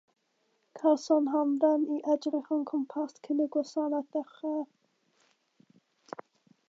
Cawsom hamdden i edrych o'n cwmpas cyn i'r gwasanaeth ddechrau.